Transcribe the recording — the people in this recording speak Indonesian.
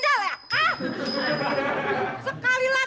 dasar sambal geladek